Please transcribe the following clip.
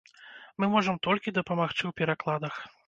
Мы можам толькі дапамагчы ў перакладах.